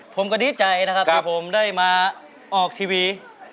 ผมก็ดีใจนะครับที่ผมได้มาออกทีวี